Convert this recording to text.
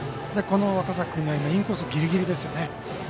この若狭君にはインコースギリギリですよね。